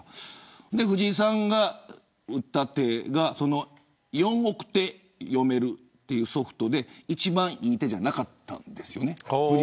藤井さんが打った手が４億手読めるというソフトで一番いい手じゃなかったんです。